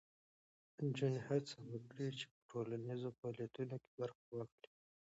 نجونې هڅه وکړي چې په ټولنیزو فعالیتونو کې برخه واخلي.